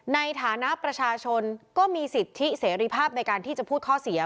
ในฐานะประชาชนก็มีสิทธิเสรีภาพในการที่จะพูดข้อเสีย